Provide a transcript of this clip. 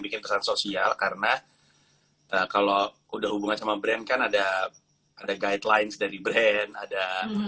bikin pesan sosial karena kalau udah hubungan sama brand kan ada ada guidelines dari brand ada